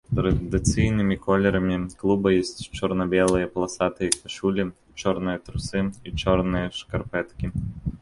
Традыцыйнымі колерамі клуба ёсць чорна-белыя паласатыя кашулі, чорныя трусы і чорныя шкарпэткі.